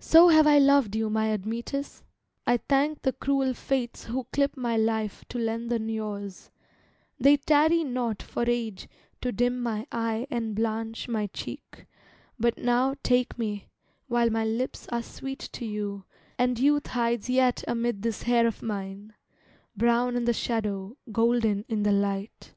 So have I loved you, my Admetus, I thank the cruel fates who clip my life To lengthen yours, they tarry not for age To dim my eye and blanch my cheek, but now Take me, while my lips are sweet to you And youth hides yet amid this hair of mine, Brown in the shadow, golden in the light.